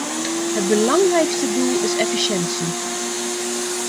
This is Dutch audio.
Het belangrijkste doel is efficiëntie.